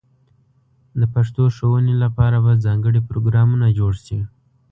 د پښتو ښوونې لپاره به ځانګړې پروګرامونه جوړ شي.